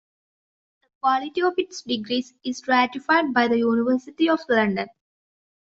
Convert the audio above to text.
The quality of its degrees is ratified by the University of London.